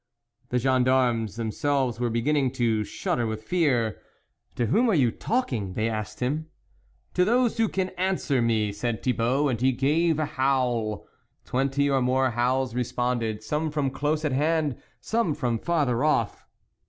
The gendarmes themselves were be ginning to shudder with fear. " To whom are you talking ?" they asked him. " To those who can answer me," said Thibault ; and he gave a howl. Twenty or more howls responded, some from close at hand, some from farther off.